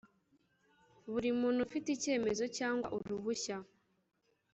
buri muntu ufite icyemezo cyangwa uruhushya